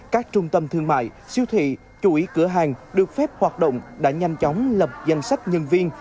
các trung tâm thương mại siêu thị chủ ý cửa hàng được phép hoạt động đã nhanh chóng lập danh sách nhân viên